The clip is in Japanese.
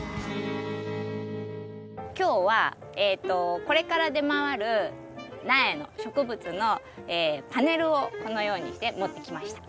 今日はえとこれから出回る苗の植物のパネルをこのようにして持ってきました。